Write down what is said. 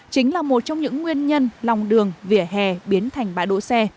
chính là một trong những nguyên nhân lòng đường vỉa hè biến thành bãi đỗ xe